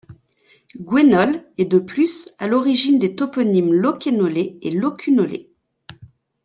Gwenole est de plus à l'origine des toponymes Locquénolé et Locunolé.